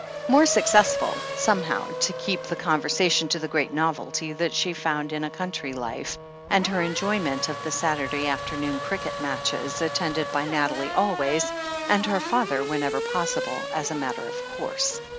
More successful, somehow, to keep the con versation to the great novelty that she found in a country life, and her enjoyment of the Saturday after noon cricket matches, attended by Nathalie always, and her father whenever possible, as a matter of course.